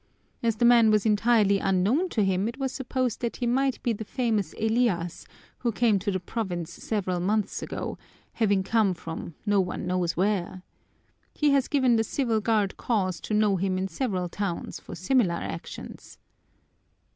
As the man was entirely unknown to him it was supposed that he might be the famous Elias who came to the province several months ago, having come from no one knows where. He has given the Civil Guard cause to know him in several towns for similar actions."